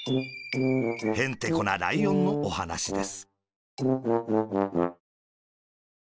へんてこなライオンのおはなしです。